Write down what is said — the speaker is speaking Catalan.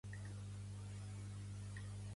Pertany al moviment independentista la Flavia?